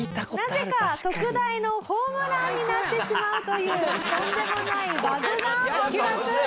なぜか特大のホームランになってしまうというとんでもないバグが発覚！